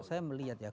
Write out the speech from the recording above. kalau saya melihat ya